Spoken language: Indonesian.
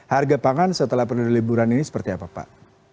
harga pangan setelah liburan ini seperti apa pak